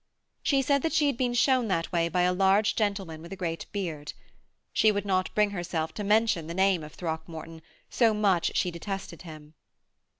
She said that she had been shown that way by a large gentleman with a great beard. She would not bring herself to mention the name of Throckmorton, so much she detested him.